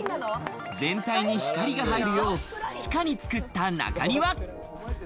全体に光が入るよう、地下に造った中庭。